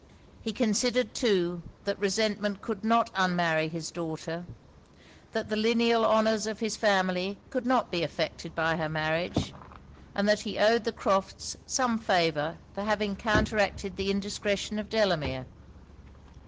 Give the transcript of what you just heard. He considered too that resentment could not unmarry his daughter; that the lineal honours of his family could not be affected by her marriage; and that he owed the Crofts' some favour for having counteracted the indiscretion of Delamere.